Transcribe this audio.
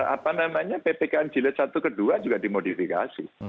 apa namanya ppkm jilid satu ke dua juga dimodifikasi